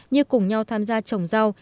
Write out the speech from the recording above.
như cùng nhau tham gia trồng rau